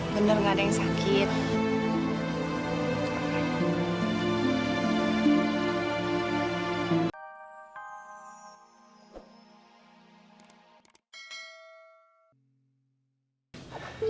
bener gaada yang sakit